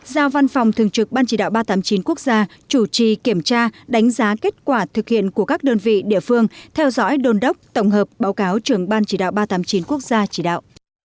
giao văn phòng thường trực ban chỉ đạo ba trăm tám mươi chín quốc gia chủ trì kiểm tra đánh giá kết quả thực hiện của các đơn vị địa phương theo dõi đồn đốc tổng hợp báo cáo trưởng ban chỉ đạo ba trăm tám mươi chín quốc gia chỉ đạo